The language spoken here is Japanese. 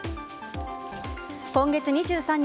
今月２３日